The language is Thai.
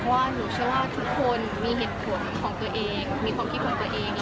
เพราะว่าหนูเชื่อว่าทุกคนมีเหตุผลของตัวเอง